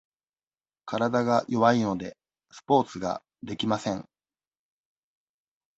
体が弱いので、スポーツができません。